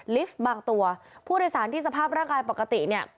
ลิฟต์บางตัวผู้โดยสารที่สภาพร่างกายปกติเนี่ย